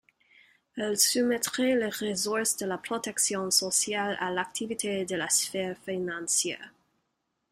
Elle soumettrait les ressources de la protection sociale à l'activité de la sphère financière.